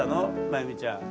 まゆみちゃん。